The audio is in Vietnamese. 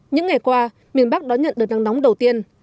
những ngày qua miền bắc đã nhận được nắng nóng đầu tiên